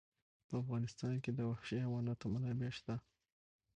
په افغانستان کې د وحشي حیواناتو منابع شته.